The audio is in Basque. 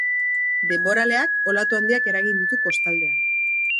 Denboraleak olatu handiak eragin ditu kostaldean.